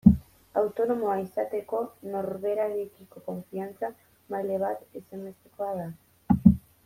Autonomoa izateko norberarekiko konfiantza maila bat ezinbestekoa da.